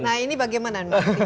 nah ini bagaimana maksudnya